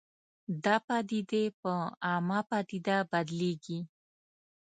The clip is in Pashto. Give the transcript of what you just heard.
دا پدیدې په عامه پدیده بدلېږي